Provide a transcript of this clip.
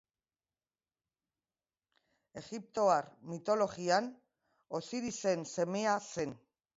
Egiptoar mitologian, Osirisen semea zen.